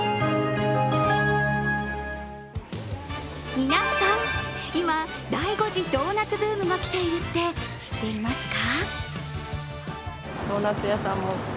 皆さん、今、第５次ドーナツブームがきているって、知っていますか？